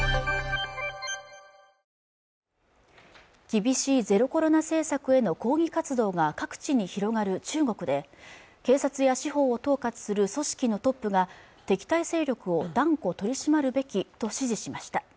厳しいゼロコロナ政策への抗議活動が各地に広がる中国で警察や司法を統括する組織のトップが敵対勢力を断固取り締まるべきと指示しました